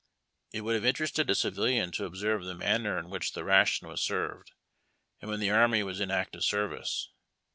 It would have interested a civilian to observe the manner ■ in which this ration was served out when the army was m active service.